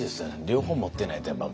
両方持ってないとやっぱ。